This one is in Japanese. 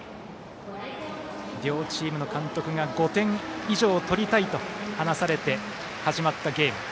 両チームの監督が５点以上取りたいと話されて始まったゲーム。